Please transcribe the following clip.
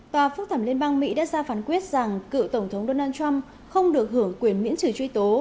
tòa phúc thẩm liên bang mỹ đã ra phán quyết rằng cựu tổng thống donald trump không được hưởng quyền miễn trừ truy tố